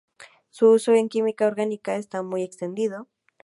Su uso en química orgánica está muy extendido.